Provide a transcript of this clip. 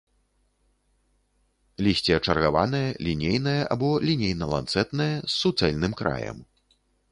Лісце чаргаванае, лінейнае або лінейна-ланцэтнае, з суцэльным краем.